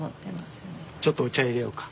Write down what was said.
ちょっとお茶いれようか。